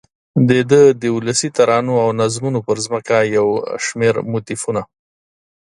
دده د ولسي ترانو او نظمونو پر ځمکه یو شمېر موتیفونه